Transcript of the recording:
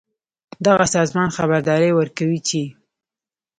دغه سازمان خبرداری ورکوي چې